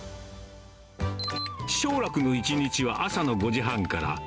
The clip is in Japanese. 勝楽の一日は、朝の５時半から。